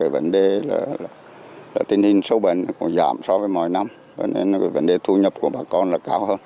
và tình hình số bệnh cũng giảm so với mọi năm nên vấn đề thu nhập của bà con là cao hơn